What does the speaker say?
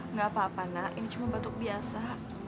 nggak apa apa nak ini cuma batuk biasa